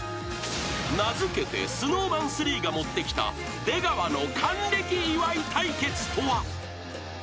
［名付けてＳｎｏｗＭａｎ３が持ってきた出川の還暦祝い対決とは？］